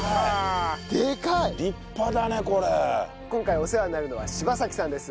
今回お世話になるのは柴崎さんです。